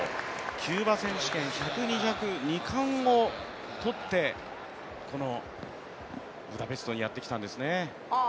キューバ選手権、１００、２００２冠をとって、このブダペストにやってきたんですね。